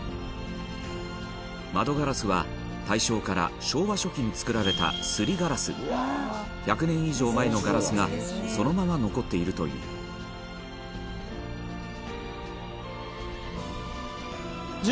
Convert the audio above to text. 窓ガラスは大正から昭和初期に作られた磨りガラス１００年以上前のガラスがそのまま残っているという石原：